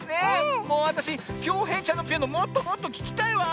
もうわたしきょうへいちゃんのピアノもっともっとききたいわ！